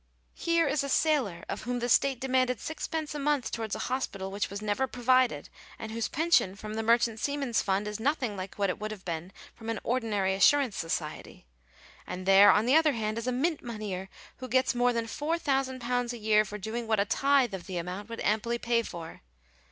Here is a sailor of whom the State demanded sixpence a month towards a hospital which was never provided, and whose pension from the Merchant Seamen's Fund is nothing like what it would have been from an ordinary assurance society; and there, on the other hand, is a Mint moneyer who gets more than £4000 a year for doing what a tithe of the amount would amply pay for.